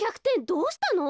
どうしたの？